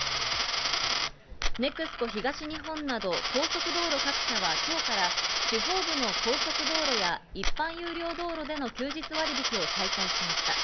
ＮＥＸＣＯ東日本など、高速道路各社は今日から地方部の高速道路や一般有料道路での休日割引を再開しました。